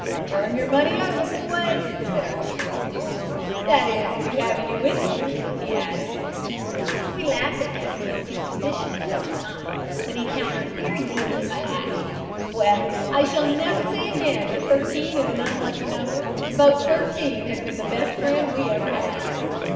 'Turn your money over, boys,' said our cheery steersman, 'that is, if you have any with you,' he added. "We laughed at him for his superstition at such a time, but he countered very neatly by adding: 'Well, I shall never say again that 13 is an unlucky number; boat 13 has been the best friend we ever had.'